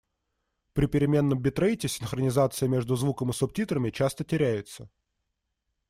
При переменном битрейте синхронизация между звуком и субтитрами часто теряется.